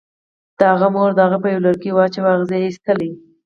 د هغه مور هغه په یوه لرګي واچاو او اغزي یې ایستل